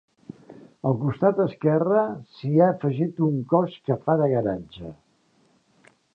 Al costat esquerre s'hi ha afegit un cos que fa de garatge.